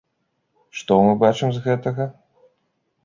Што мы бачым з гэтага?